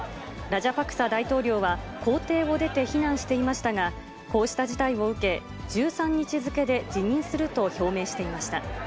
ラジャパクサ大統領は、公邸を出て避難していましたが、こうした事態を受け、１３日付で辞任すると表明していました。